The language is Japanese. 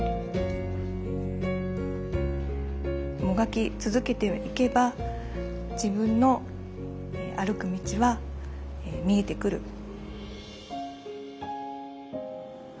もがき続けていけば自分の歩く道は見えてくる。